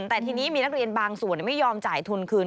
แต่ทีนี้มีนักเรียนบางส่วนไม่ยอมจ่ายทุนคืน